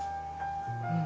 うん。